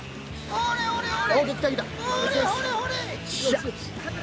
ほれほれほれ。